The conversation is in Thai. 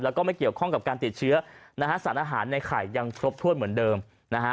แล้วก็ไม่เกี่ยวข้องกับการติดเชื้อนะฮะสารอาหารในไข่ยังครบถ้วนเหมือนเดิมนะฮะ